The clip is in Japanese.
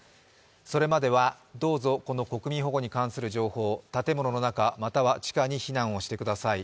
それまではどうぞ、この国民保護に関する情報、建物の中、または地下に避難してください。